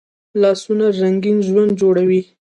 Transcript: لاسونه رنګین ژوند جوړوي